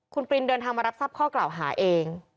คุณปรินเดินทางมารับทราบข้อกล่าวหาเอง